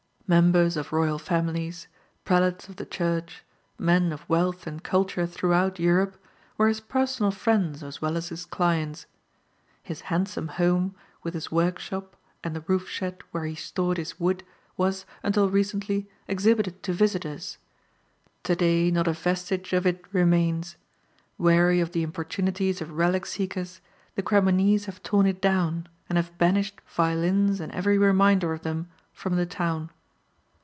Members of royal families, prelates of the church, men of wealth and culture throughout Europe, were his personal friends as well as his clients. His handsome home, with his workshop and the roofshed where he stored his wood, was, until recently, exhibited to visitors. To day not a vestige of it remains. Weary of the importunities of relic seekers, the Cremonese have torn it down, and have banished violins and every reminder of them from the town.